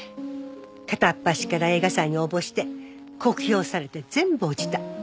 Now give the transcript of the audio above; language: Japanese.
片っ端から映画祭に応募して酷評されて全部落ちた。